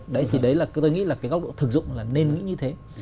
đấy thì đấy là tôi nghĩ là cái góc độ thực dụng là nên nghĩ như thế